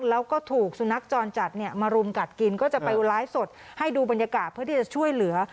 แล้วก็ถูกสุนัขจรจัดเนี่ยมารุมกัดกินก็จะไปไลฟ์สดให้ดูบรรยากาศเพื่อที่จะช่วยเหลือ